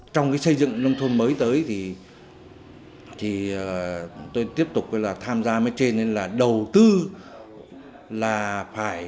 trong cái xây dựng nông thôn mới tới thì tôi tiếp tục tham gia ở trên là đầu tư là phải